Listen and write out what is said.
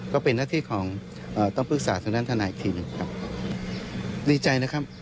ก็เป็นหน้าที่ของต้องปรึกษาทางด้านทนายอีกทีหนึ่งครับดีใจนะครับ